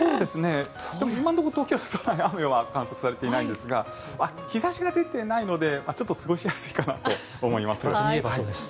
でも今のところ東京で雨は観測されていないんですが日差しが出ていないのでちょっと過ごしやすいかなと思います。